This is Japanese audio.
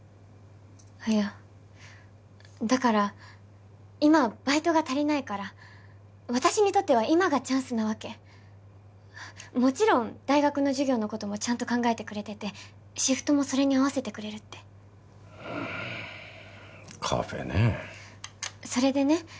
あっいやだから今バイトが足りないから私にとっては今がチャンスなわけもちろん大学の授業のこともちゃんと考えてくれててシフトもそれに合わせてくれるってうんカフェねえそれでね